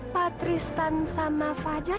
patristan sama fajar